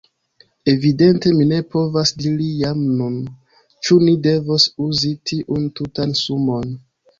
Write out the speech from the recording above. Evidente mi ne povas diri jam nun, ĉu ni devos uzi tiun tutan sumon.